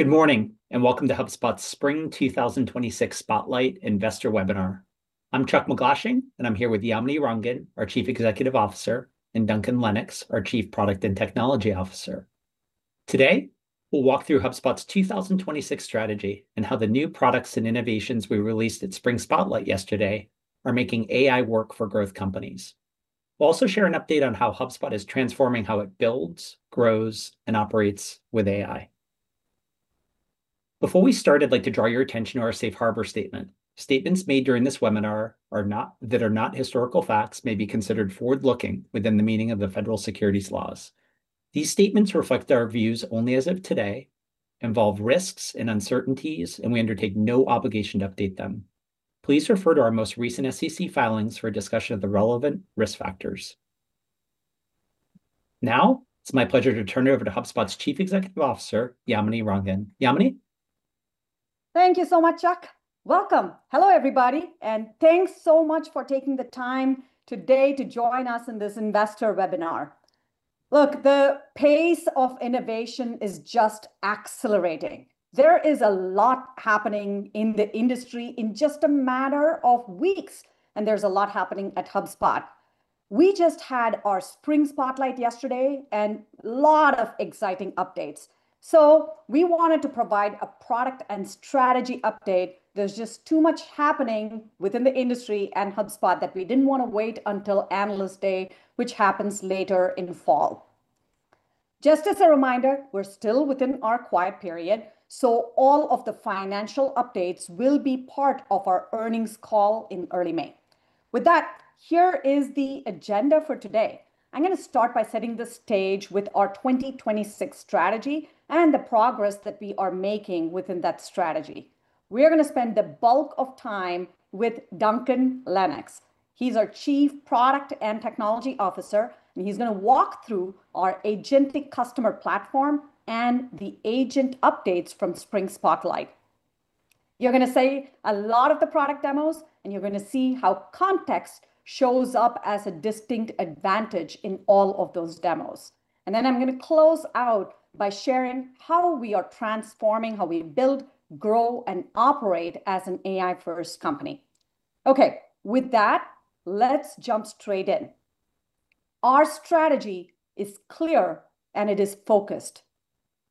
Good morning, and welcome to HubSpot's Spring 2026 Spotlight Investor Webinar. I'm Chuck MacGlashing, and I'm here with Yamini Rangan, our Chief Executive Officer, and Duncan Lennox, our Chief Product and Technology Officer. Today, we'll walk through HubSpot's 2026 strategy and how the new products and innovations we released at Spring Spotlight yesterday are making AI work for growth companies. We'll also share an update on how HubSpot is transforming how it builds, grows, and operates with AI. Before we start, I'd like to draw your attention to our safe harbor statement. Statements made during this webinar that are not historical facts may be considered forward-looking within the meaning of the federal securities laws. These statements reflect our views only as of today, involve risks and uncertainties, and we undertake no obligation to update them. Please refer to our most recent SEC filings for a discussion of the relevant risk factors. Now, it's my pleasure to turn it over to HubSpot's Chief Executive Officer, Yamini Rangan. Yamini? Thank you so much, Chuck. Welcome. Hello, everybody, and thanks so much for taking the time today to join us in this investor webinar. Look, the pace of innovation is just accelerating. There is a lot happening in the industry in just a matter of weeks, and there's a lot happening at HubSpot. We just had our Spring Spotlight yesterday and a lot of exciting updates. We wanted to provide a product and strategy update. There's just too much happening within the industry and HubSpot that we didn't want to wait until Analyst Day, which happens later in the fall. Just as a reminder, we're still within our quiet period, so all of the financial updates will be part of our earnings call in early May. With that, here is the agenda for today. I'm going to start by setting the stage with our 2026 strategy and the progress that we are making within that strategy. We are going to spend the bulk of time with Duncan Lennox. He's our Chief Product and Technology Officer, and he's going to walk through our agentic customer platform and the agent updates from Spring Spotlight. You're going to see a lot of the product demos, and you're going to see how context shows up as a distinct advantage in all of those demos. I'm going to close out by sharing how we are transforming how we build, grow, and operate as an AI-first company. Okay. With that, let's jump straight in. Our strategy is clear and it is focused.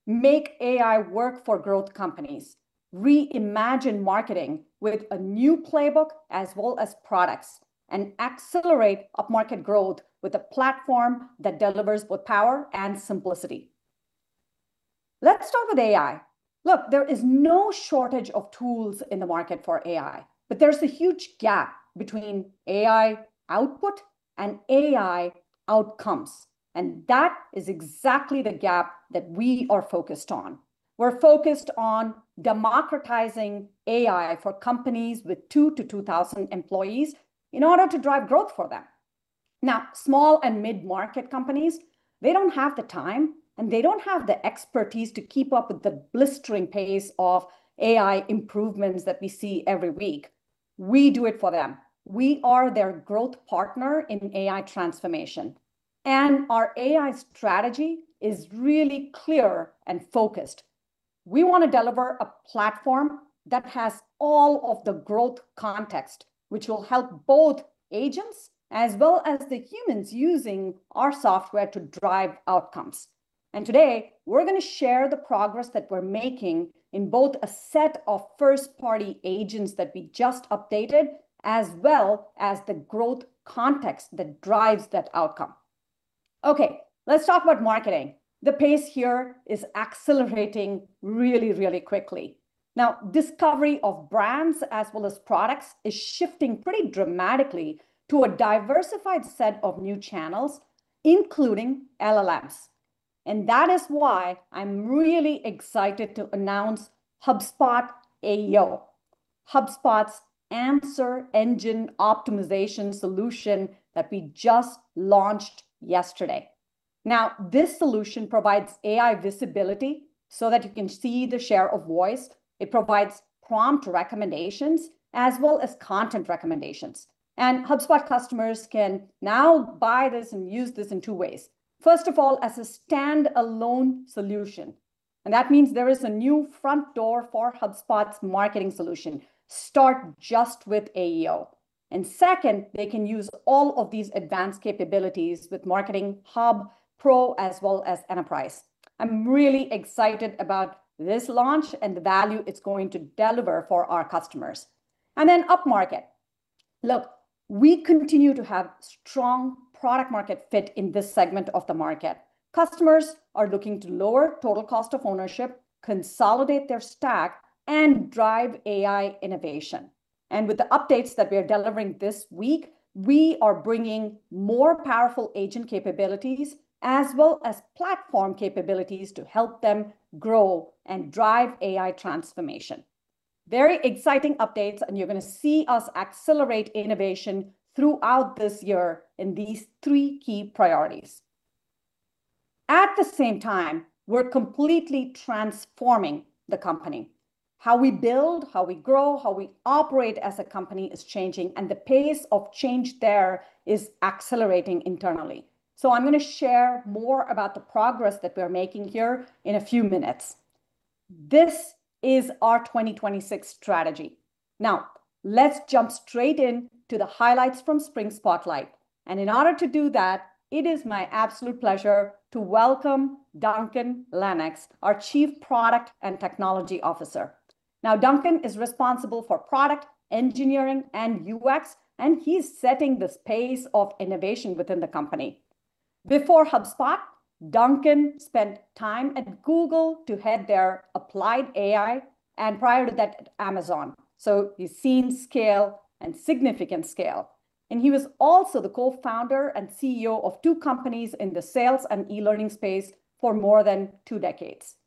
Make AI work for growth companies. Reimagine marketing with a new playbook as well as products, and accelerate up-market growth with a platform that delivers both power and simplicity. Let's start with AI. Look, there is no shortage of tools in the market for AI, but there's a huge gap between AI output and AI outcomes, and that is exactly the gap that we are focused on. We're focused on democratizing AI for companies with two-2,000 employees in order to drive growth for them. Now, small and mid-market companies, they don't have the time, and they don't have the expertise to keep up with the blistering pace of AI improvements that we see every week. We do it for them. We are their growth partner in AI transformation, and our AI strategy is really clear and focused. We want to deliver a platform that has all of the Growth Context, which will help both agents as well as the humans using our software to drive outcomes. Today, we're going to share the progress that we're making in both a set of first-party agents that we just updated, as well as the Growth Context that drives that outcome. Okay. Let's talk about marketing. The pace here is accelerating really, really quickly. Now, discovery of brands as well as products is shifting pretty dramatically to a diversified set of new channels, including LLMs. That is why I'm really excited to announce HubSpot AEO, HubSpot's Answer Engine Optimization solution that we just launched yesterday. Now, this solution provides AI visibility so that you can see the share of voice. It provides prompt recommendations as well as content recommendations. HubSpot customers can now buy this and use this in two ways. First of all, as a stand-alone solution. That means there is a new front door for HubSpot's marketing solution. Start just with AEO. Second, they can use all of these advanced capabilities with Marketing Hub Pro as well as Enterprise. I'm really excited about this launch and the value it's going to deliver for our customers. Up-market, look, we continue to have strong product-market fit in this segment of the market. Customers are looking to lower total cost of ownership, consolidate their stack, and drive AI innovation. With the updates that we are delivering this week, we are bringing more powerful agent capabilities as well as platform capabilities to help them grow and drive AI transformation. Very exciting updates, and you're going to see us accelerate innovation throughout this year in these three key priorities. At the same time, we're completely transforming the company. How we build, how we grow, how we operate as a company is changing, and the pace of change there is accelerating internally. I'm going to share more about the progress that we're making here in a few minutes. This is our 2026 strategy. Now, let's jump straight in to the highlights from Spring Spotlight. In order to do that, it is my absolute pleasure to welcome Duncan Lennox, our Chief Product and Technology Officer. Now Duncan is responsible for product, engineering, and UX, and he's setting this pace of innovation within the company. Before HubSpot, Duncan spent time at Google to head their applied AI, and prior to that, Amazon. He's seen scale and significant scale. He was also the Co-Founder and CEO of two companies in the sales and e-learning space for more than two decades.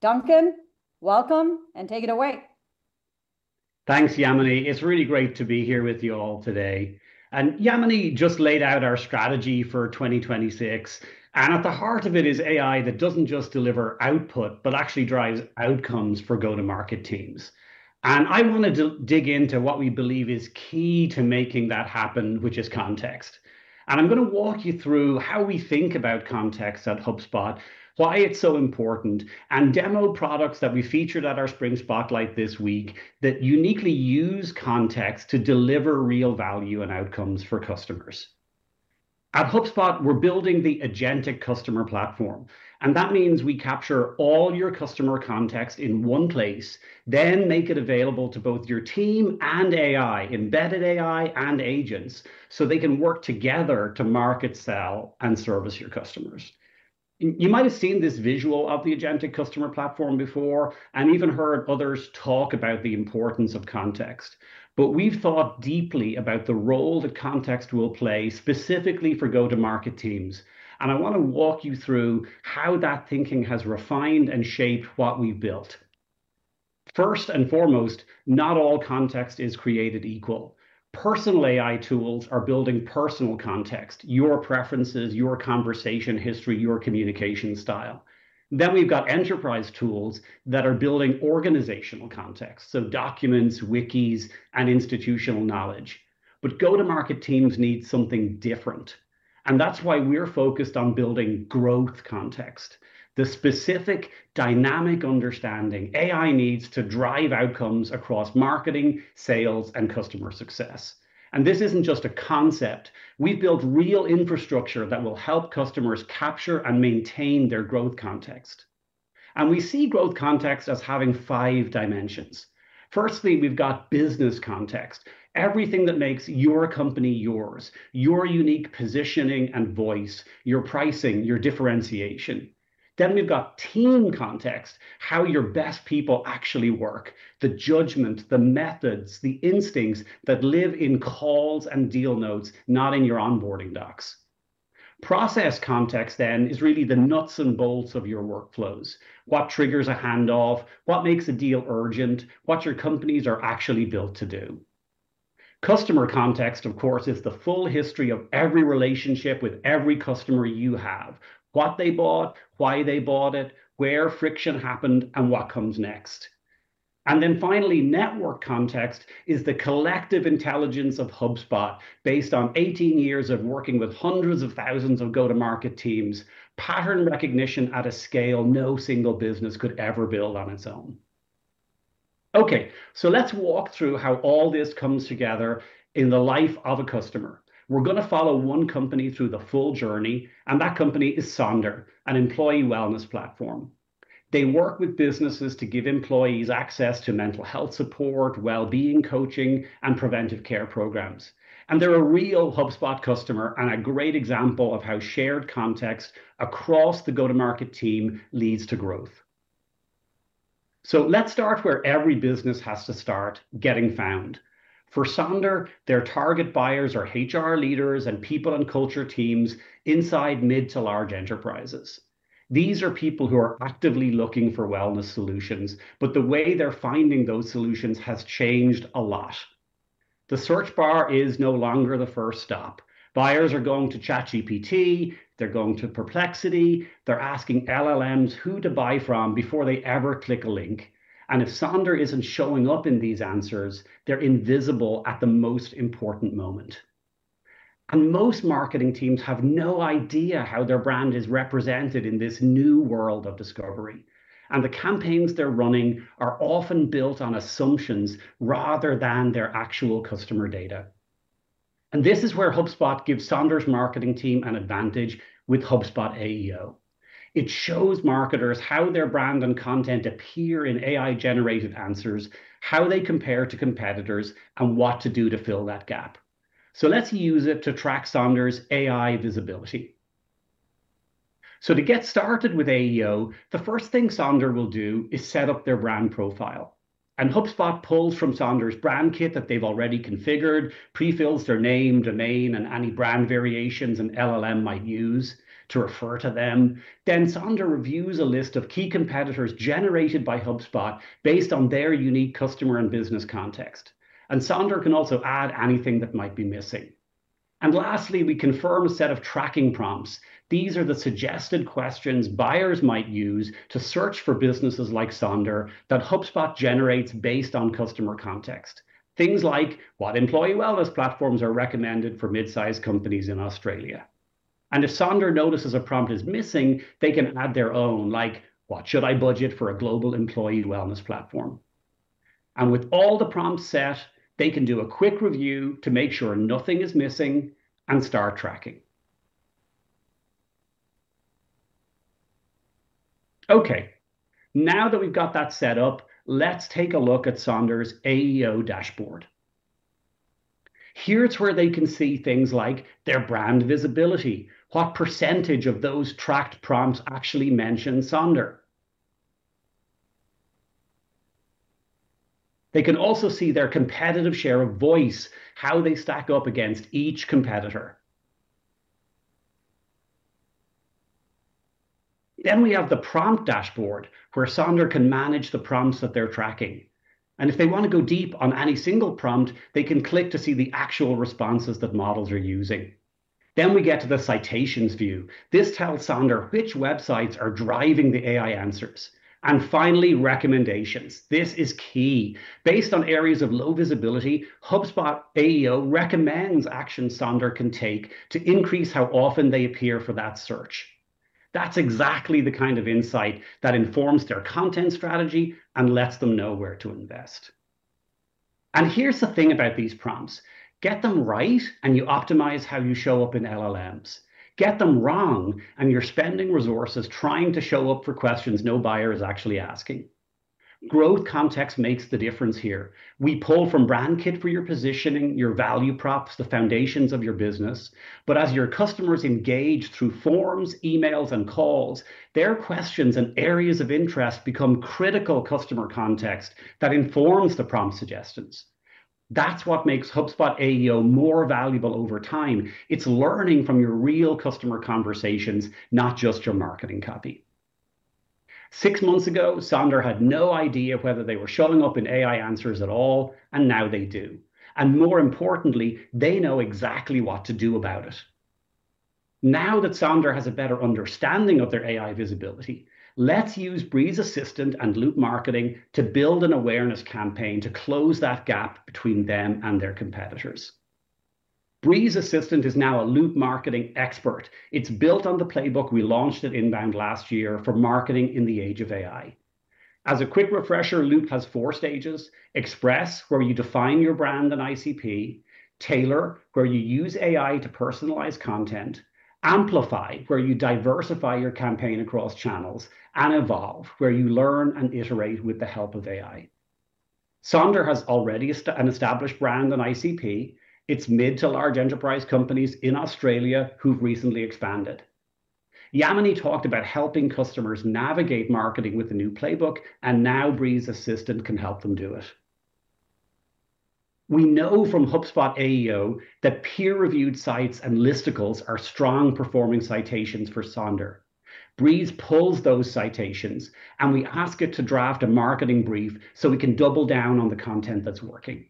Duncan, welcome and take it away. Thanks, Yamini. It's really great to be here with you all today. Yamini just laid out our strategy for 2026, and at the heart of it is AI that doesn't just deliver output but actually drives outcomes for go-to-market teams. I want to dig into what we believe is key to making that happen, which is context. I'm going to walk you through how we think about context at HubSpot, why it's so important, and demo products that we featured at our Spring Spotlight this week that uniquely use context to deliver real value and outcomes for customers. At HubSpot, we're building the agentic customer platform, and that means we capture all your customer context in one place, then make it available to both your team and AI, embedded AI and agents, so they can work together to market, sell, and service your customers. You might have seen this visual of the agentic customer platform before and even heard others talk about the importance of context. We've thought deeply about the role that context will play specifically for go-to-market teams, and I want to walk you through how that thinking has refined and shaped what we've built. First and foremost, not all context is created equal. Personal AI tools are building personal context, your preferences, your conversation history, your communication style. We've got enterprise tools that are building organizational context, so documents, wikis, and institutional knowledge. Go-to-market teams need something different, and that's why we're focused on building Growth Context, the specific dynamic understanding AI needs to drive outcomes across marketing, sales, and customer success. This isn't just a concept. We've built real infrastructure that will help customers capture and maintain their Growth Context. We see Growth Context as having five dimensions. Firstly, we've got business context, everything that makes your company yours, your unique positioning and voice, your pricing, your differentiation. We've got team context, how your best people actually work, the judgment, the methods, the instincts that live in calls and deal notes, not in your onboarding docs. Process context then is really the nuts and bolts of your workflows, what triggers a handoff, what makes a deal urgent, what your companies are actually built to do. Customer context, of course, is the full history of every relationship with every customer you have, what they bought, why they bought it, where friction happened, and what comes next. Finally, network context is the collective intelligence of HubSpot based on 18 years of working with hundreds of thousands of go-to-market teams, pattern recognition at a scale no single business could ever build on its own. Let's walk through how all this comes together in the life of a customer. We're going to follow one company through the full journey, and that company is Sonder, an employee wellness platform. They work with businesses to give employees access to mental health support, wellbeing coaching, and preventive care programs. They're a real HubSpot customer and a great example of how shared context across the go-to-market team leads to growth. Let's start where every business has to start, getting found. For Sonder, their target buyers are HR leaders and people on culture teams inside mid to large enterprises. These are people who are actively looking for wellness solutions, but the way they're finding those solutions has changed a lot. The search bar is no longer the first stop. Buyers are going to ChatGPT, they're going to Perplexity, they're asking LLMs who to buy from before they ever click a link. If Sonder isn't showing up in these answers, they're invisible at the most important moment. Most marketing teams have no idea how their brand is represented in this new world of discovery. The campaigns they're running are often built on assumptions rather than their actual customer data. This is where HubSpot gives Sonder's marketing team an advantage with HubSpot AEO. It shows marketers how their brand and content appear in AI-generated answers, how they compare to competitors, and what to do to fill that gap. Let's use it to track Sonder's AI visibility. To get started with AEO, the first thing Sonder will do is set up their brand profile. HubSpot pulls from Sonder's brand kit that they've already configured, pre-fills their name, domain, and any brand variations an LLM might use to refer to them. Sonder reviews a list of key competitors generated by HubSpot based on their unique customer and business context. Sonder can also add anything that might be missing. Lastly, we confirm a set of tracking prompts. These are the suggested questions buyers might use to search for businesses like Sonder that HubSpot generates based on customer context. Things like, what employee wellness platforms are recommended for mid-size companies in Australia. If Sonder notices a prompt is missing, they can add their own, like, what should I budget for a global employee wellness platform. With all the prompts set, they can do a quick review to make sure nothing is missing and start tracking. Okay. Now that we've got that set up, let's take a look at Sonder's AEO dashboard. Here's where they can see things like their brand visibility, what percentage of those tracked prompts actually mention Sonder. They can also see their competitive share of voice, how they stack up against each competitor. We have the prompt dashboard, where Sonder can manage the prompts that they're tracking, and if they want to go deep on any single prompt, they can click to see the actual responses that models are using. We get to the citations view. This tells Sonder which websites are driving the AI answers. Finally, recommendations. This is key. Based on areas of low visibility, HubSpot AEO recommends actions Sonder can take to increase how often they appear for that search. That's exactly the kind of insight that informs their content strategy and lets them know where to invest. Here's the thing about these prompts. Get them right and you optimize how you show up in LLMs. Get them wrong and you're spending resources trying to show up for questions no buyer is actually asking. Growth Context makes the difference here. We pull from Brand Kit for your positioning, your value props, the foundations of your business. As your customers engage through forms, emails, and calls, their questions and areas of interest become critical customer context that informs the prompt suggestions. That's what makes HubSpot AEO more valuable over time. It's learning from your real customer conversations, not just your marketing copy. Six months ago, Sonder had no idea whether they were showing up in AI answers at all, and now they do. More importantly, they know exactly what to do about it. Now that Sonder has a better understanding of their AI visibility, let's use Breeze Assistant and Loop Marketing to build an awareness campaign to close that gap between them and their competitors. Breeze Assistant is now a Loop Marketing expert. It's built on the playbook we launched at INBOUND last year for marketing in the age of AI. As a quick refresher, Loop has four stages, Express, where you define your brand and ICP, Tailor, where you use AI to personalize content, Amplify, where you diversify your campaign across channels, and Evolve, where you learn and iterate with the help of AI. Sonder has already an established brand and ICP. It's mid-to-large enterprise companies in Australia who've recently expanded. Yamini talked about helping customers navigate marketing with the new playbook, and now Breeze Assistant can help them do it. We know from HubSpot AEO that peer-reviewed sites and listicles are strong-performing citations for Sonder. Breeze pulls those citations, and we ask it to draft a marketing brief so we can double down on the content that's working.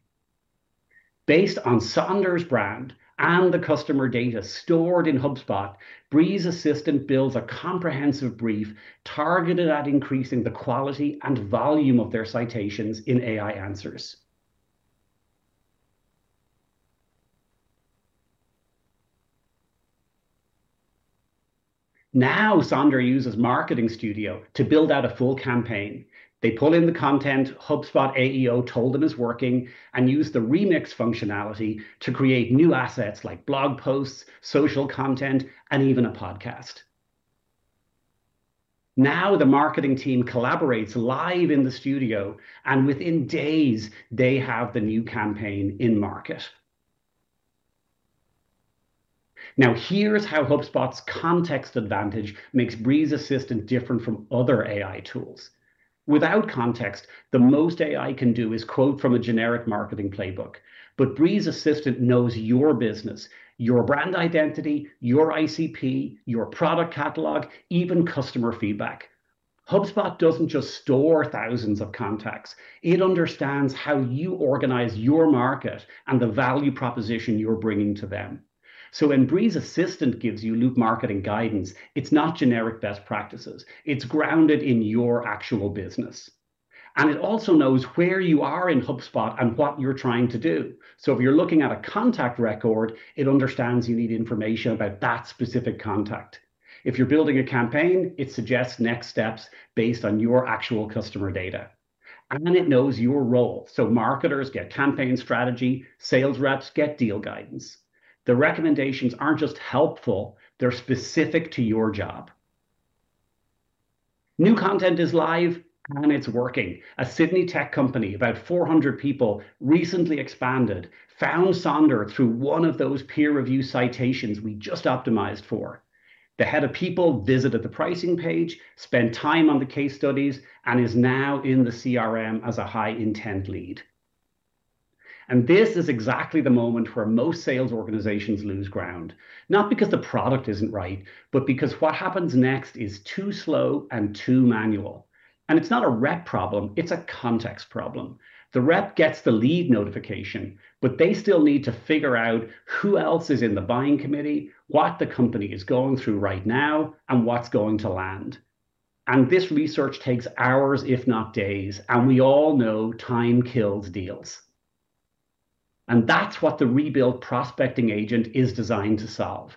Based on Sonder's brand and the customer data stored in HubSpot, Breeze Assistant builds a comprehensive brief targeted at increasing the quality and volume of their citations in AI answers. Now, Sonder uses Marketing Studio to build out a full campaign. They pull in the content HubSpot AEO told them is working and use the remix functionality to create new assets like blog posts, social content, and even a podcast. Now, the marketing team collaborates live in the studio, and within days, they have the new campaign in market. Now, here's how HubSpot's context advantage makes Breeze Assistant different from other AI tools. Without context, the most AI can do is quote from a generic marketing playbook. Breeze Assistant knows your business, your brand identity, your ICP, your product catalog, even customer feedback. HubSpot doesn't just store thousands of contacts. It understands how you organize your market and the value proposition you're bringing to them. When Breeze Assistant gives you Loop Marketing guidance, it's not generic best practices. It's grounded in your actual business. It also knows where you are in HubSpot and what you're trying to do. If you're looking at a contact record, it understands you need information about that specific contact. If you're building a campaign, it suggests next steps based on your actual customer data. It knows your role, so marketers get campaign strategy, sales reps get deal guidance. The recommendations aren't just helpful, they're specific to your job. New content is live, and it's working. A Sydney tech company, about 400 people, recently expanded, found Sonder through one of those peer review citations we just optimized for. The Head of People visited the pricing page, spent time on the case studies, and is now in the CRM as a high-intent lead. This is exactly the moment where most sales organizations lose ground, not because the product isn't right, but because what happens next is too slow and too manual. It's not a rep problem, it's a context problem. The rep gets the lead notification, but they still need to figure out who else is in the buying committee, what the company is going through right now, and what's going to land. This research takes hours, if not days, and we all know time kills deals. That's what the rebuilt prospecting agent is designed to solve.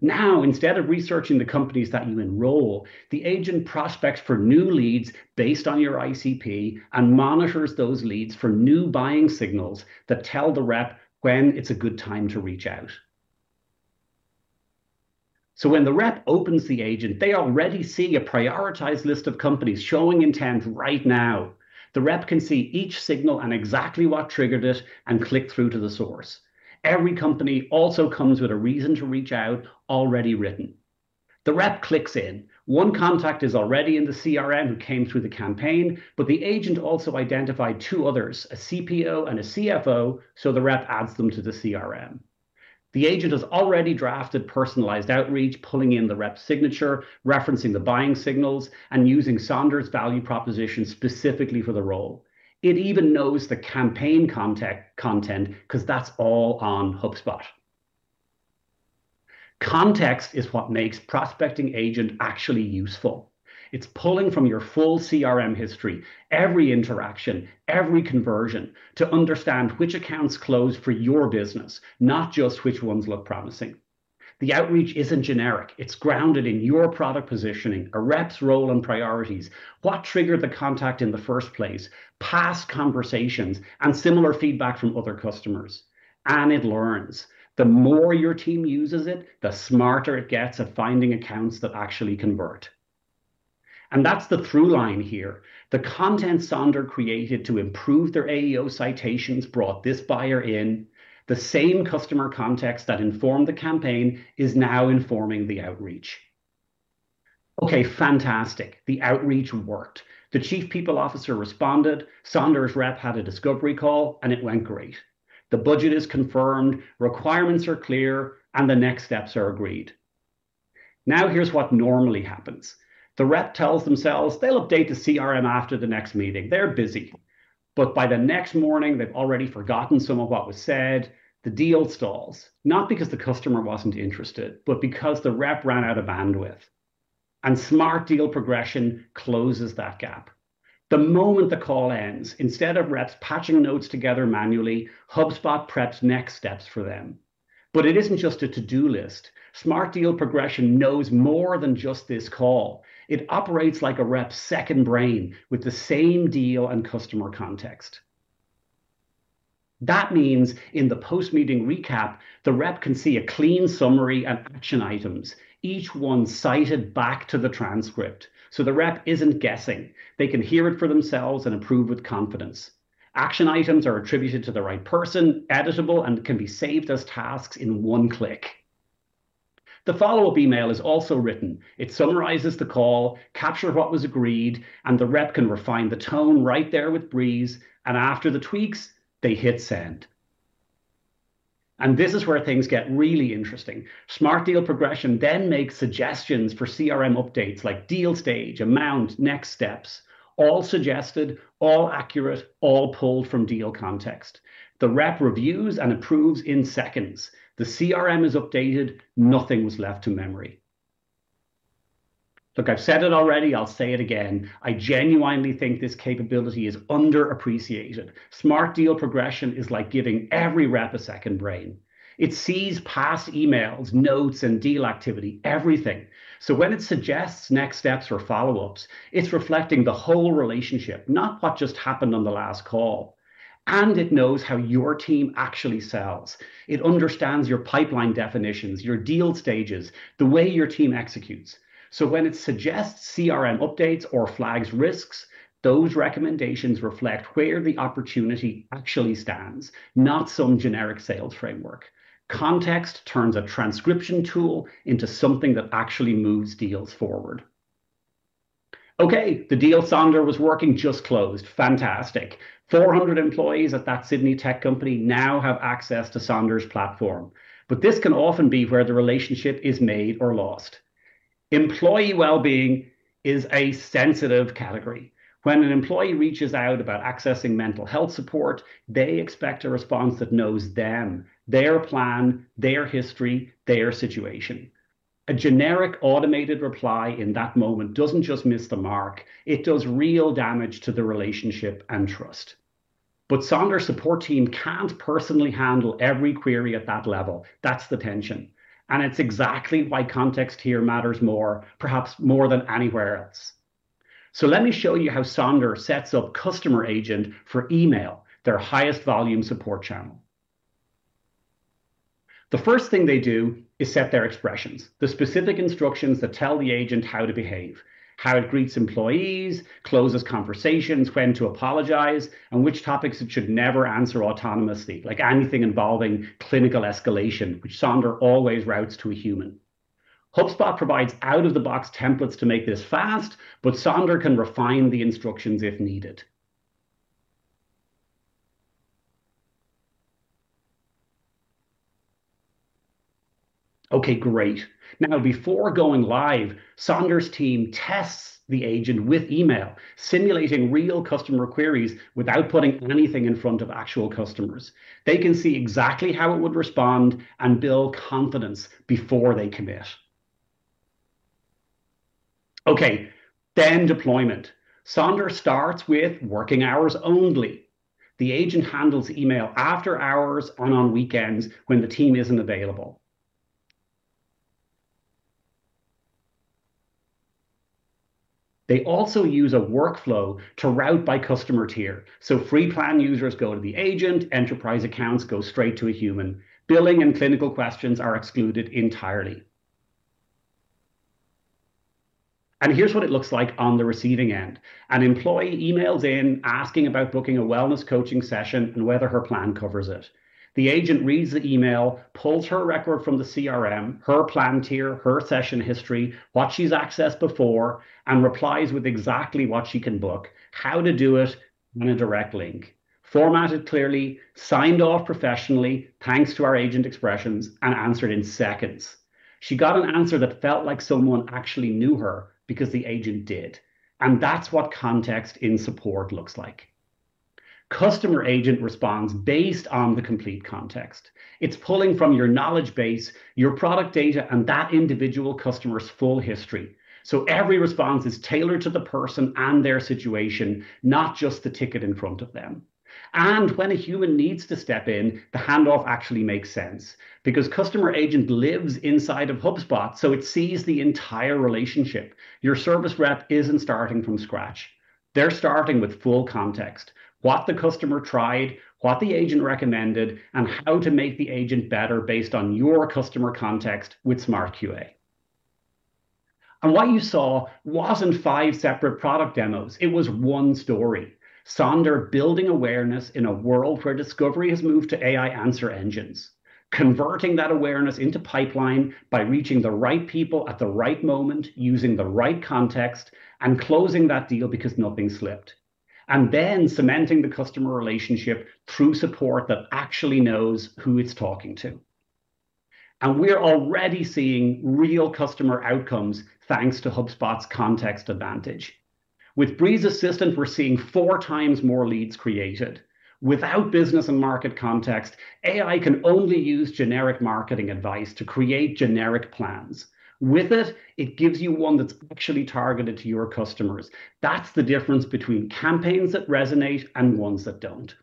Now, instead of researching the companies that you enroll, the agent prospects for new leads based on your ICP and monitors those leads for new buying signals that tell the rep when it's a good time to reach out. When the rep opens the agent, they already see a prioritized list of companies showing intent right now. The rep can see each signal and exactly what triggered it and click through to the source. Every company also comes with a reason to reach out, already written. The rep clicks in. One contact is already in the CRM who came through the campaign, but the agent also identified two others, a CPO and a CFO, so the rep adds them to the CRM. The agent has already drafted personalized outreach, pulling in the rep's signature, referencing the buying signals, and using Sonder's value proposition specifically for the role. It even knows the campaign content, because that's all on HubSpot. Context is what makes Prospecting Agent actually useful. It's pulling from your full CRM history, every interaction, every conversion, to understand which accounts close for your business, not just which ones look promising. The outreach isn't generic. It's grounded in your product positioning, a rep's role and priorities, what triggered the contact in the first place, past conversations, and similar feedback from other customers. It learns. The more your team uses it, the smarter it gets at finding accounts that actually convert. That's the through line here. The content Sonder created to improve their AEO citations brought this buyer in. The same customer context that informed the campaign is now informing the outreach. Okay, fantastic. The outreach worked. The Chief People Officer responded, Sonder's rep had a discovery call, and it went great. The budget is confirmed, requirements are clear, and the next steps are agreed. Now, here's what normally happens. The rep tells themselves they'll update the CRM after the next meeting. They're busy. By the next morning, they've already forgotten some of what was said. The deal stalls, not because the customer wasn't interested, but because the rep ran out of bandwidth. Smart Deal Progression closes that gap. The moment the call ends, instead of reps patching notes together manually, HubSpot preps next steps for them. It isn't just a to-do list. Smart Deal Progression knows more than just this call. It operates like a rep's second brain with the same deal and customer context. That means in the post-meeting recap, the rep can see a clean summary and action items, each one cited back to the transcript. The rep isn't guessing. They can hear it for themselves and approve with confidence. Action items are attributed to the right person, editable, and can be saved as tasks in one click. The follow-up email is also written. It summarizes the call, captures what was agreed, and the rep can refine the tone right there with Breeze, and after the tweaks, they hit send. This is where things get really interesting. Smart Deal Progression then makes suggestions for CRM updates like deal stage, amount, next steps. All suggested, all accurate, all pulled from deal context. The rep reviews and approves in seconds. The CRM is updated. Nothing was left to memory. Look, I've said it already, I'll say it again, I genuinely think this capability is underappreciated. Smart Deal Progression is like giving every rep a second brain. It sees past emails, notes, and deal activity, everything. When it suggests next steps or follow-ups, it's reflecting the whole relationship, not what just happened on the last call. It knows how your team actually sells. It understands your pipeline definitions, your deal stages, the way your team executes. When it suggests CRM updates or flags risks, those recommendations reflect where the opportunity actually stands, not some generic sales framework. Context turns a transcription tool into something that actually moves deals forward. Okay, the deal Sonder was working just closed. Fantastic. 400 employees at that Sydney tech company now have access to Sonder's platform. This can often be where the relationship is made or lost. Employee well-being is a sensitive category. When an employee reaches out about accessing mental health support, they expect a response that knows them, their plan, their history, their situation. A generic automated reply in that moment doesn't just miss the mark. It does real damage to the relationship and trust. Sonder's support team can't personally handle every query at that level. That's the tension. It's exactly why context here matters more, perhaps more than anywhere else. Let me show you how Sonder sets up Customer Agent for email, their highest volume support channel. The first thing they do is set their expressions, the specific instructions that tell the agent how to behave, how it greets employees, closes conversations, when to apologize, and which topics it should never answer autonomously, like anything involving clinical escalation, which Sonder always routes to a human. HubSpot provides out-of-the-box templates to make this fast, but Sonder can refine the instructions if needed. Okay, great. Now, before going live, Sonder's team tests the agent with email, simulating real customer queries without putting anything in front of actual customers. They can see exactly how it would respond and build confidence before they commit. Okay, deployment. Sonder starts with working hours only. The agent handles email after hours and on weekends when the team isn't available. They also use a workflow to route by customer tier. Free plan users go to the agent, enterprise accounts go straight to a human. Billing and clinical questions are excluded entirely. Here's what it looks like on the receiving end. An employee emails in asking about booking a wellness coaching session and whether her plan covers it. The agent reads the email, pulls her record from the CRM, her plan tier, her session history, what she's accessed before, and replies with exactly what she can book, how to do it, and a direct link, formatted clearly, signed off professionally, thanks to our agent expressions, and answered in seconds. She got an answer that felt like someone actually knew her because the agent did, and that's what context in support looks like. Customer Agent responds based on the complete context. It's pulling from your knowledge base, your product data, and that individual customer's full history. Every response is tailored to the person and their situation, not just the ticket in front of them. When a human needs to step in, the handoff actually makes sense because Customer Agent lives inside of HubSpot, so it sees the entire relationship. Your service rep isn't starting from scratch. They're starting with full context, what the customer tried, what the agent recommended, and how to make the agent better based on your customer context with smart QA. What you saw wasn't five separate product demos. It was one story. Sonder building awareness in a world where discovery has moved to AI answer engines, converting that awareness into pipeline by reaching the right people at the right moment, using the right context, and closing that deal because nothing slipped, cementing the customer relationship through support that actually knows who it's talking to. We're already seeing real customer outcomes thanks to HubSpot's context advantage. With Breeze Assistant, we're seeing 4x more leads created. Without business and market context, AI can only use generic marketing advice to create generic plans. With it gives you one that's actually targeted to your customers. That's the difference between campaigns that resonate and ones that don't.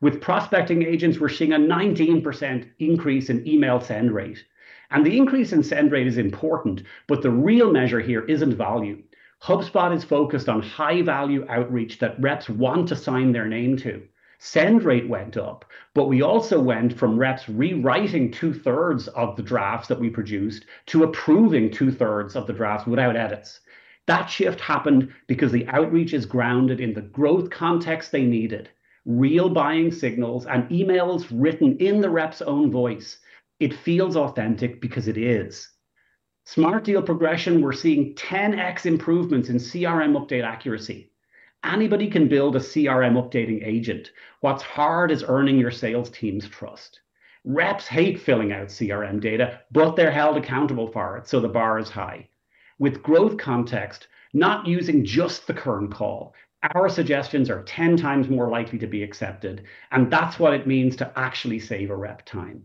With Prospecting Agents, we're seeing a 19% increase in email send rate. The increase in send rate is important, but the real measure here isn't volume. HubSpot is focused on high-value outreach that reps want to sign their name to. Send rate went up, but we also went from reps rewriting 2/3 of the drafts that we produced to approving 2/3 of the drafts without edits. That shift happened because the outreach is grounded in the Growth Context they needed, real buying signals, and emails written in the rep's own voice. It feels authentic because it is. Smart Deal Progression, we're seeing 10x improvements in CRM update accuracy. Anybody can build a CRM updating agent. What's hard is earning your sales team's trust. Reps hate filling out CRM data, but they're held accountable for it, so the bar is high. With Growth Context, not using just the current call, our suggestions are 10 times more likely to be accepted, and that's what it means to actually save a rep time.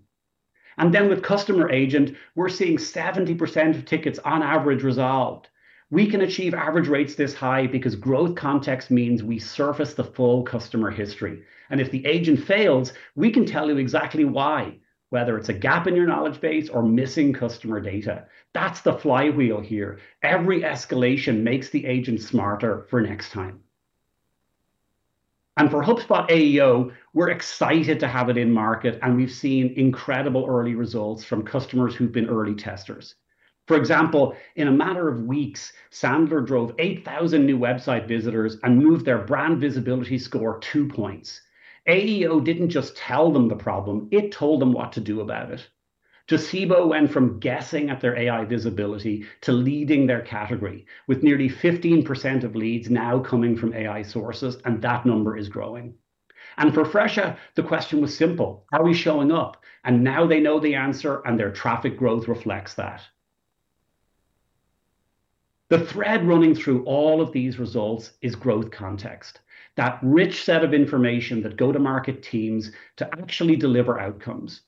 With Customer Agent, we're seeing 70% of tickets on average resolved. We can achieve average rates this high because Growth Context means we surface the full customer history. If the agent fails, we can tell you exactly why, whether it's a gap in your knowledge base or missing customer data. That's the flywheel here. Every escalation makes the agent smarter for next time. For HubSpot AEO, we're excited to have it in market, and we've seen incredible early results from customers who've been early testers. For example, in a matter of weeks, Sandler drove 8,000 new website visitors and moved their brand visibility score two points. AEO didn't just tell them the problem, it told them what to do about it. Docebo went from guessing at their AI visibility to leading their category, with nearly 15% of leads now coming from AI sources, and that number is growing. For Fresha, the question was simple, are we showing up? Now they know the answer, and their traffic growth reflects that. The thread running through all of these results is Growth Context. That rich set of information that go-to-market teams to actually deliver outcomes.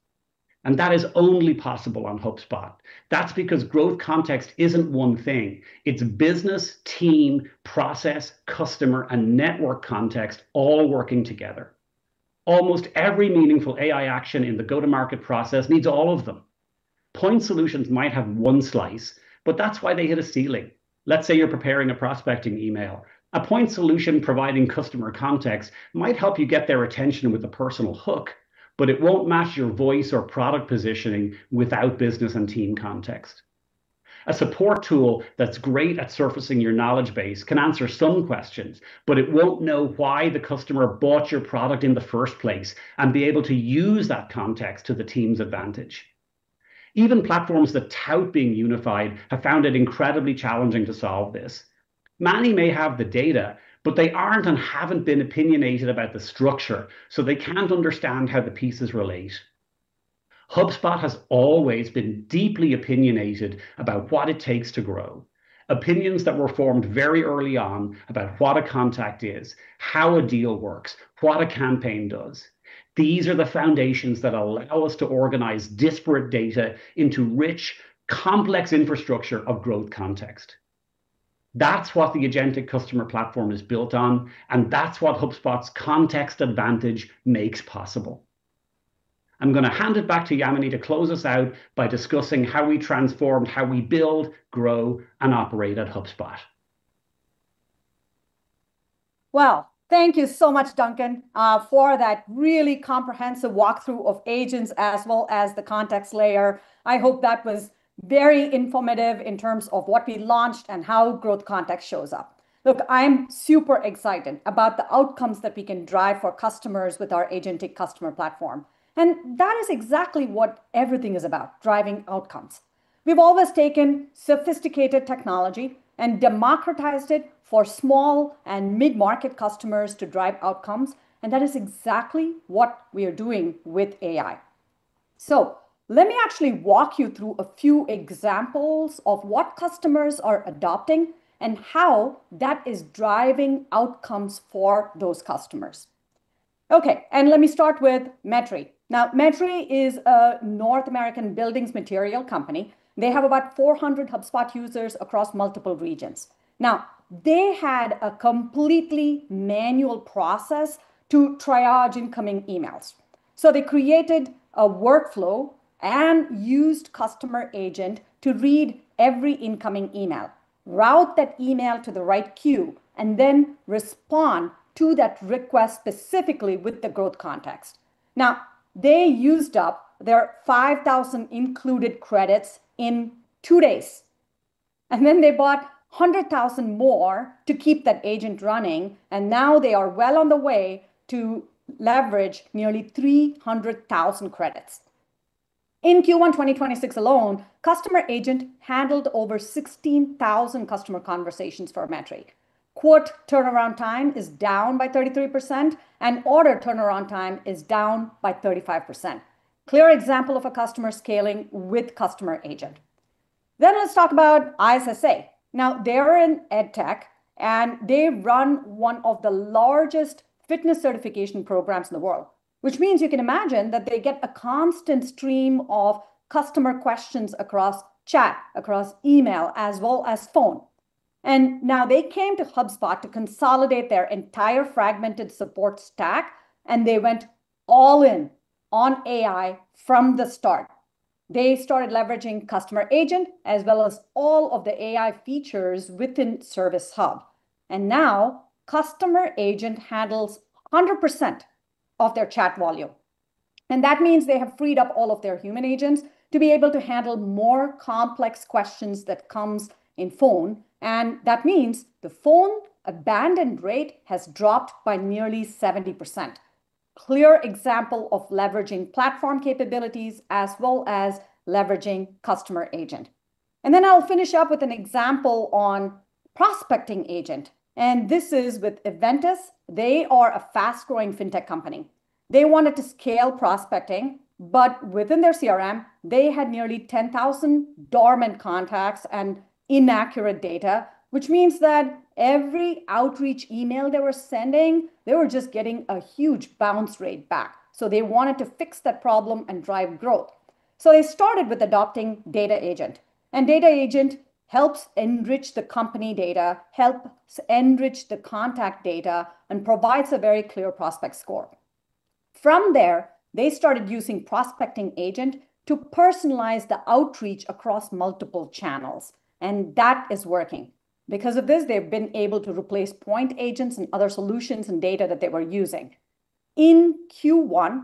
That is only possible on HubSpot. That's because Growth Context isn't one thing. It's business, team, process, customer, and network context all working together. Almost every meaningful AI action in the go-to-market process needs all of them. Point solutions might have one slice, but that's why they hit a ceiling. Let's say you're preparing a prospecting email. A point solution providing customer context might help you get their attention with a personal hook, but it won't match your voice or product positioning without business and team context. A support tool that's great at surfacing your knowledge base can answer some questions, but it won't know why the customer bought your product in the first place and be able to use that context to the team's advantage. Even platforms that tout being unified have found it incredibly challenging to solve this. Many may have the data, but they aren't and haven't been opinionated about the structure, so they cannot understand how the pieces relate. HubSpot has always been deeply opinionated about what it takes to grow. Opinions that were formed very early on about what a contact is, how a deal works, what a campaign does, these are the foundations that allow us to organize disparate data into rich, complex infrastructure of Growth Context. That's what the agentic customer platform is built on, and that's what HubSpot's context advantage makes possible. I'm going to hand it back to Yamini to close us out by discussing how we transform how we build, grow, and operate at HubSpot. Well, thank you so much, Duncan, for that really comprehensive walkthrough of agents as well as the context layer. I hope that was very informative in terms of what we launched and how Growth Context shows up. Look, I'm super excited about the outcomes that we can drive for customers with our agentic customer platform, and that is exactly what everything is about, driving outcomes. We've always taken sophisticated technology and democratized it for small and mid-market customers to drive outcomes, and that is exactly what we are doing with AI. Let me actually walk you through a few examples of what customers are adopting and how that is driving outcomes for those customers. Okay, let me start with Metrie. Now, Metrie is a North American building materials company. They have about 400 HubSpot users across multiple regions. Now they had a completely manual process to triage incoming emails. They created a workflow and used Customer Agent to read every incoming email, route that email to the right queue, and then respond to that request specifically with the Growth Context. Now they used up their 5,000 included credits in two days, and then they bought 100,000 more to keep that agent running. Now they are well on the way to leverage nearly 300,000 credits. In Q1 2026 alone, Customer Agent handled over 16,000 customer conversations for Metrie. Quote turnaround time is down by 33%, and order turnaround time is down by 35%. Clear example of a customer scaling with Customer Agent. Let's talk about ISSA. Now, they are in edtech, and they run one of the largest fitness certification programs in the world, which means you can imagine that they get a constant stream of customer questions across chat, across email, as well as phone. Now they came to HubSpot to consolidate their entire fragmented support stack, and they went all in on AI from the start. They started leveraging Customer Agent as well as all of the AI features within Service Hub. Now Customer Agent handles 100% of their chat volume. That means they have freed up all of their human agents to be able to handle more complex questions that comes in phone. That means the phone abandon rate has dropped by nearly 70%. Clear example of leveraging platform capabilities as well as leveraging Customer Agent. I'll finish up with an example on Prospecting Agent, and this is with Eventus. They are a fast-growing fintech company. They wanted to scale prospecting, but within their CRM, they had nearly 10,000 dormant contacts and inaccurate data, which means that every outreach email they were sending, they were just getting a huge bounce rate back. They wanted to fix that problem and drive growth. They started with adopting Data Agent. Data Agent helps enrich the company data, helps enrich the contact data, and provides a very clear prospect score. From there, they started using Prospecting Agent to personalize the outreach across multiple channels, and that is working. Because of this, they've been able to replace point agents and other solutions and data that they were using. In Q1,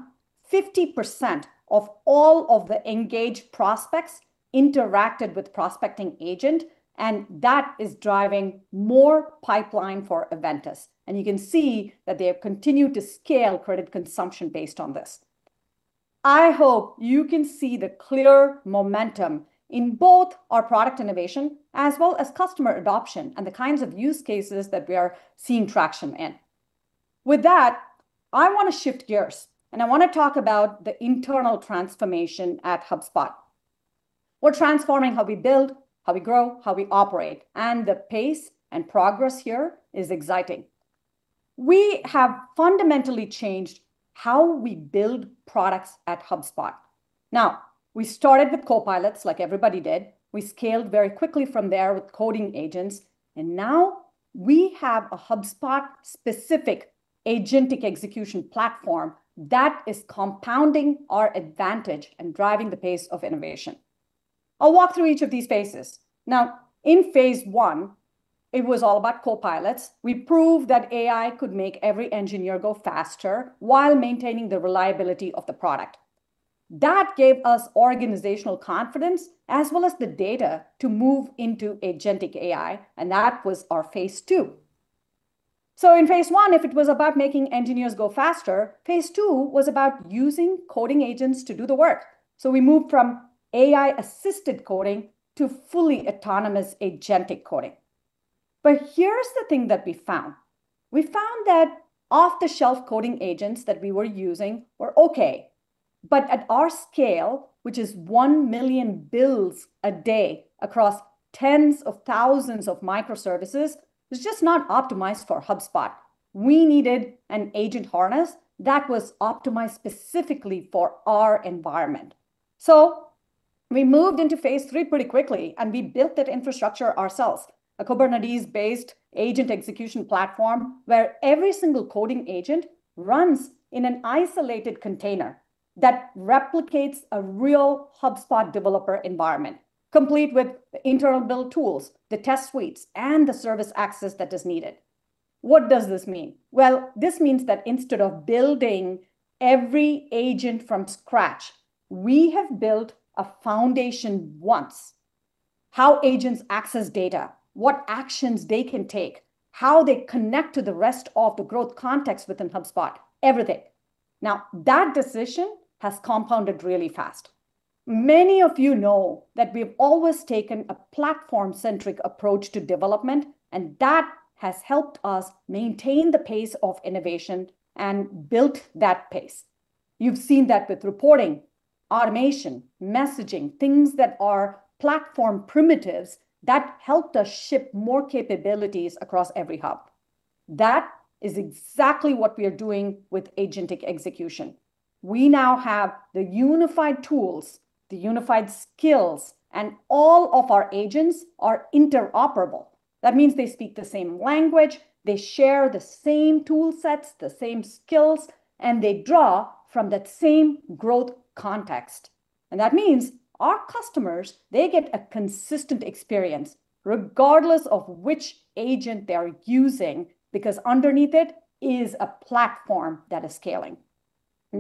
50% of all of the engaged prospects interacted with Prospecting Agent, and that is driving more pipeline for Eventus. You can see that they have continued to scale credit consumption based on this. I hope you can see the clear momentum in both our product innovation as well as customer adoption and the kinds of use cases that we are seeing traction in. With that, I want to shift gears, and I want to talk about the internal transformation at HubSpot. We're transforming how we build, how we grow, how we operate, and the pace and progress here is exciting. We have fundamentally changed how we build products at HubSpot. Now, we started with Copilots, like everybody did. We scaled very quickly from there with coding agents, and now we have a HubSpot-specific agentic execution platform that is compounding our advantage and driving the pace of innovation. I'll walk through each of these phases. Now, in phase I, it was all about Copilots. We proved that AI could make every engineer go faster while maintaining the reliability of the product. That gave us organizational confidence as well as the data to move into agentic AI, and that was our phase II. In phase I, if it was about making engineers go faster, phase II was about using coding agents to do the work. We moved from AI-assisted coding to fully autonomous agentic coding. Here's the thing that we found. We found that off-the-shelf coding agents that we were using were okay. At our scale, which is 1 million builds a day across tens of thousands of microservices, it's just not optimized for HubSpot. We needed an agent harness that was optimized specifically for our environment. We moved into phase III pretty quickly, and we built that infrastructure ourselves, a Kubernetes-based agent execution platform where every single coding agent runs in an isolated container that replicates a real HubSpot developer environment, complete with internal build tools, the test suites, and the service access that is needed. What does this mean? Well, this means that instead of building every agent from scratch, we have built a foundation once. How agents access data, what actions they can take, how they connect to the rest of the Growth Context within HubSpot, everything. Now, that decision has compounded really fast. Many of you know that we've always taken a platform-centric approach to development, and that has helped us maintain the pace of innovation and built that pace. You've seen that with reporting, automation, messaging, things that are platform primitives that helped us ship more capabilities across every hub. That is exactly what we are doing with agentic execution. We now have the unified tools, the unified skills, and all of our agents are interoperable. That means they speak the same language, they share the same tool sets, the same skills, and they draw from that same Growth Context. That means our customers, they get a consistent experience regardless of which agent they are using, because underneath it is a platform that is scaling.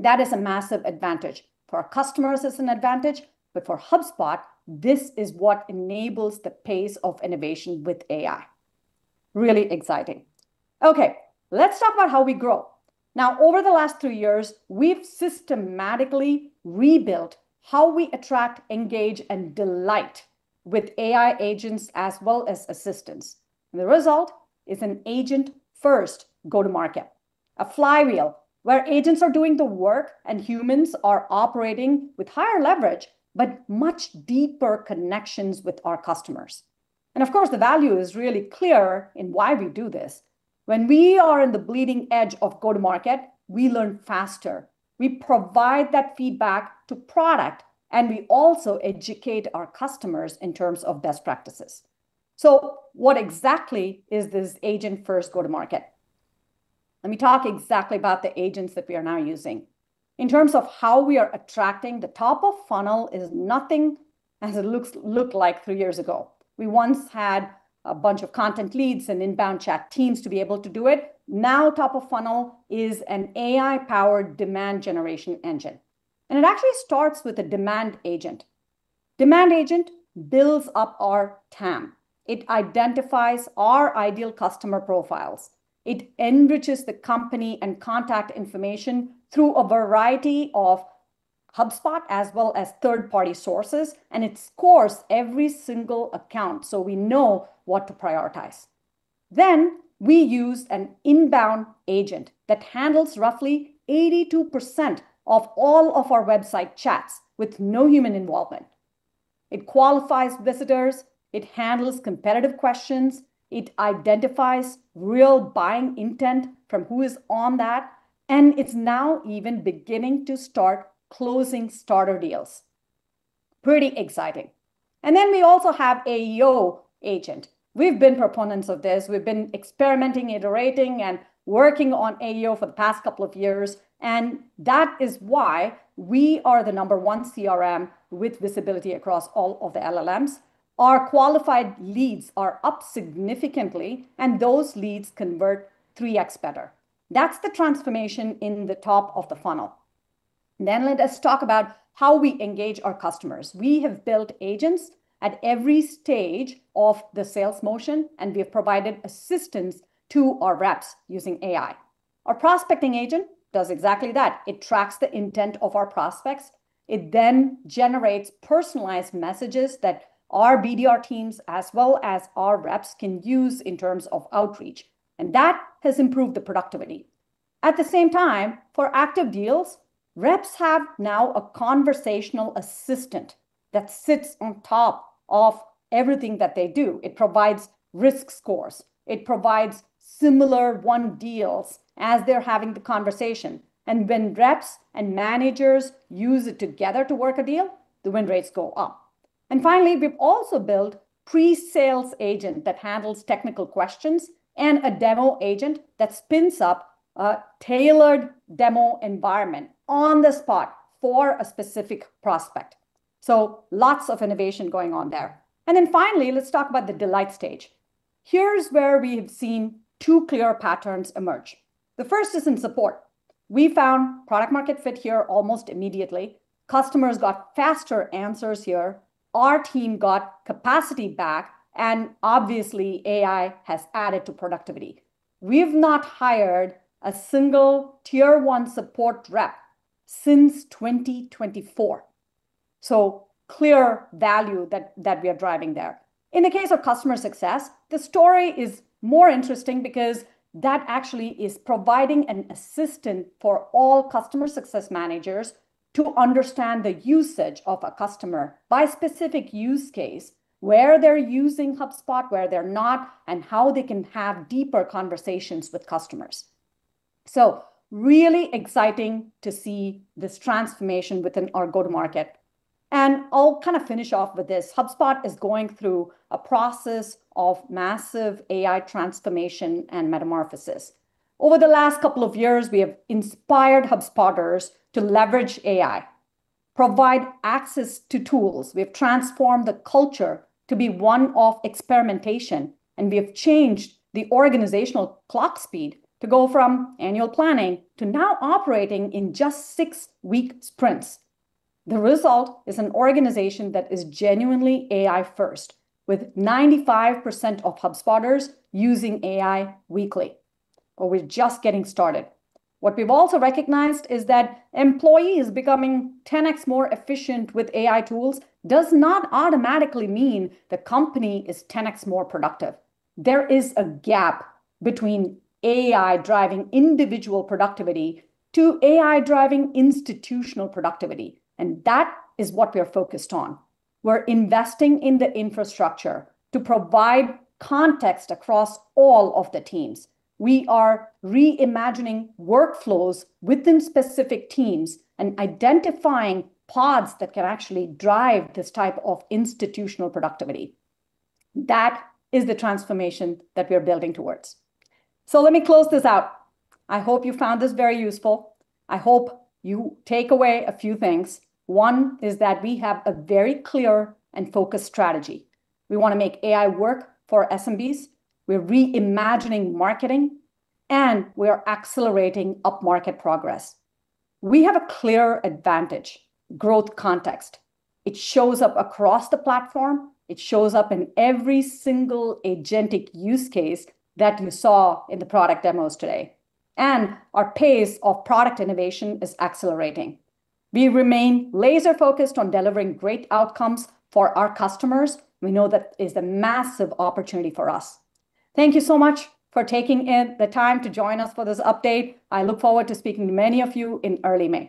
That is a massive advantage. For our customers, it's an advantage, but for HubSpot, this is what enables the pace of innovation with AI. Really exciting. Okay, let's talk about how we grow. Now, over the last two years, we've systematically rebuilt how we attract, engage, and delight with AI agents as well as assistants. The result is an agent-first go-to-market, a flywheel where agents are doing the work and humans are operating with higher leverage, but much deeper connections with our customers. Of course, the value is really clear in why we do this. When we are in the bleeding edge of go-to-market, we learn faster. We provide that feedback to product, and we also educate our customers in terms of best practices. What exactly is this agent-first go-to-market? Let me talk exactly about the agents that we are now using. In terms of how we are attracting, the top of funnel is nothing as it looked like three years ago. We once had a bunch of content leads and inbound chat teams to be able to do it. Now, top of funnel is an AI-powered demand generation engine. It actually starts with a demand agent. Demand agent builds up our TAM. It identifies our ideal customer profiles. It enriches the company and contact information through a variety of HubSpot as well as third-party sources, and it scores every single account so we know what to prioritize. We use an inbound agent that handles roughly 82% of all of our website chats with no human involvement. It qualifies visitors, it handles competitive questions, it identifies real buying intent from who is on that, and it's now even beginning to start closing starter deals. Pretty exciting. We also have a AEO agent. We've been proponents of this. We've been experimenting, iterating, and working on AEO for the past couple of years, and that is why we are the number one CRM with visibility across all of the LLMs. Our qualified leads are up significantly, and those leads convert 3x better. That's the transformation in the top of the funnel. Let us talk about how we engage our customers. We have built agents at every stage of the sales motion, and we have provided assistance to our reps using AI. Our Prospecting Agent does exactly that. It tracks the intent of our prospects. It then generates personalized messages that our BDR teams as well as our reps can use in terms of outreach, and that has improved the productivity. At the same time, for active deals, reps have now a conversational assistant that sits on top of everything that they do. It provides risk scores. It provides similar won deals as they're having the conversation. When reps and managers use it together to work a deal, the win rates go up. Finally, we've also built pre-sales agent that handles technical questions and a demo agent that spins up a tailored demo environment on the spot for a specific prospect. Lots of innovation going on there. Finally, let's talk about the delight stage. Here's where we have seen two clear patterns emerge. The first is in support. We found product market fit here almost immediately. Customers got faster answers here, our team got capacity back, and obviously, AI has added to productivity. We've not hired a single tier one support rep since 2024. Clear value that we are driving there. In the case of customer success, the story is more interesting because that actually is providing an assistant for all Customer Success Managers to understand the usage of a customer by specific use case, where they're using HubSpot, where they're not, and how they can have deeper conversations with customers. It is really exciting to see this transformation within our go-to-market. I'll kind of finish off with this. HubSpot is going through a process of massive AI transformation and metamorphosis. Over the last couple of years, we have inspired HubSpotters to leverage AI, provide access to tools. We have transformed the culture to be one of experimentation, and we have changed the organizational clock speed to go from annual planning to now operating in just six-week sprints. The result is an organization that is genuinely AI-first, with 95% of HubSpotters using AI weekly. We're just getting started. What we've also recognized is that employees becoming 10x more efficient with AI tools does not automatically mean the company is 10x more productive. There is a gap between AI driving individual productivity to AI driving institutional productivity, and that is what we're focused on. We're investing in the infrastructure to provide context across all of the teams. We are reimagining workflows within specific teams and identifying pods that can actually drive this type of institutional productivity. That is the transformation that we're building towards. Let me close this out. I hope you found this very useful. I hope you take away a few things. One is that we have a very clear and focused strategy. We want to make AI work for SMBs. We're reimagining marketing, and we're accelerating up-market progress. We have a clear advantage, Growth Context. It shows up across the platform. It shows up in every single agentic use case that you saw in the product demos today. Our pace of product innovation is accelerating. We remain laser-focused on delivering great outcomes for our customers. We know that is a massive opportunity for us. Thank you so much for taking the time to join us for this update. I look forward to speaking to many of you in early May.